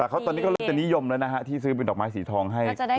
แต่ตอนนี้ก็เริ่มจะนิยมแล้วนะฮะที่ซื้อเป็นดอกไม้สีทองให้